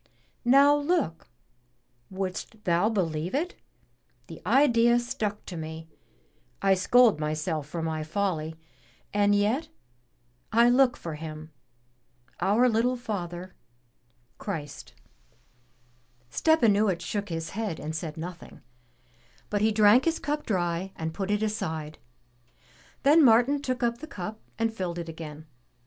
Now look! wouldst thou believe it? the idea stuck to me — I scold myself for my folly, and yet I look for Him, our little Father, Christ!" Stepanuich shook his head and said nothing, but he drank his cup dry and put it aside. Then Martin took up the cup and filled it again.